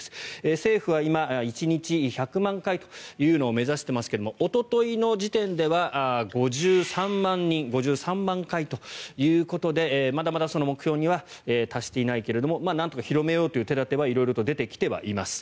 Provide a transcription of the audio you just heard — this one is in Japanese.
政府は今、１日１００万回というのを目指していますがおとといの時点では５３万人、５３万回ということでまだまだ目標には達していないけれどもなんとか広めようという手立ては色々出てきてはいます。